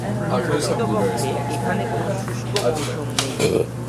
প্রকৃতপক্ষে এখানে কোনো শুষ্ক মৌসুম নেই।